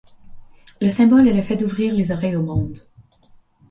Le symbole est le fait d'ouvrir les oreilles au monde.